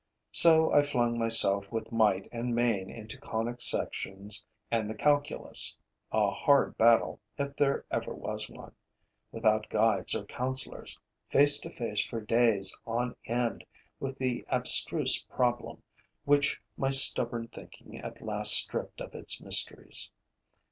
So I flung myself with might and main into conic sections and the calculus: a hard battle, if ever there was one, without guides or counselors, face to face for days on end with the abstruse problem which my stubborn thinking at last stripped of its mysteries.